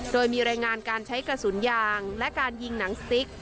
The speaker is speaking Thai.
โดยมีรายงานการใช้กระสุนยางและการยิงหนังสติ๊ก